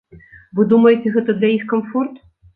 Вы думаеце гэта для іх камфорт?